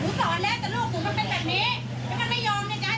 ของอยู่ว่าเด็กมันไม่ค่อยเจอไม่ค่อยเจอคนอย่างนี้